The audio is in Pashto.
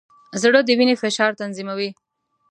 زړه د وینې فشار تنظیموي.